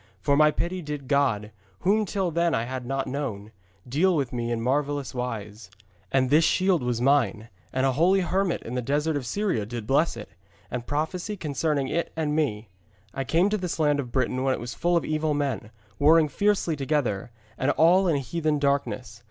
For my pity did God, whom till then I had not known, deal with me in marvellous wise. And this shield was mine, and a holy hermit in a desert of Syria did bless it, and prophesy concerning it and me. I came to this land of Britain when it was full of evil men, warring fiercely together, and all in heathen darkness.